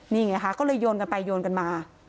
นี่ไงคะก็เลยโยนกันไปโยนกันมา